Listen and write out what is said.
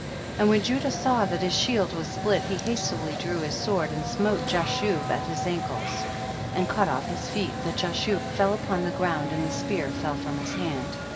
And when Judah saw that his shield was split, he hastily drew his sword and smote Jashub at his an cles, and cut off his feet that Jashub fell upon the ground, and the spear fell from his hand.